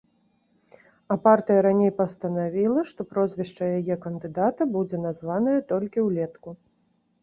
А партыя раней пастанавіла, што прозвішча яе кандыдата будзе названае толькі ўлетку.